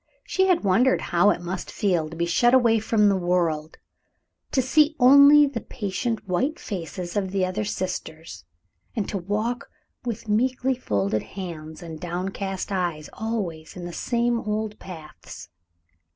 She had wondered how it must feel to be shut away from the world; to see only the patient white faces of the other sisters, and to walk with meekly folded hands and downcast eyes always in the same old paths.